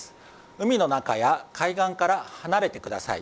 海の中や海岸から離れてください。